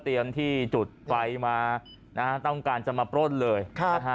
เตรียมที่จุดไฟมานะฮะต้องการจะมาปลดเลยครับ